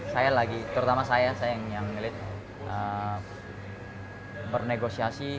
saya lagi terutama saya saya yang milih bernegosiasi